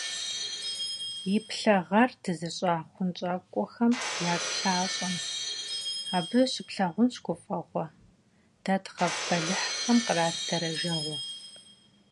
Иплъэ гъэр дызыщӀа хъунщӀакӀуэхэм ягу лъащӀэм: абы щыплъагъунщ гуфӀэгъуэ, дэ дгъэв бэлыхьхэм кърат дэрэжэгъуэ…